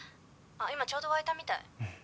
今ちょうど沸いたみたい。